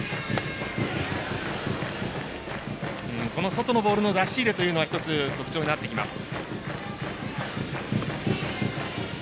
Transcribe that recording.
外のボールの出し入れが１つ特徴になってきます。